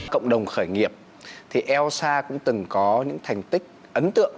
cộng đồng khởi nghiệp thì elsa cũng từng có những thành tích ấn tượng